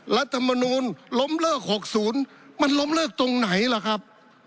รัฐมนูลล้มเลิก๖๐มันล้มเลิกตรงไหนล่ะครับ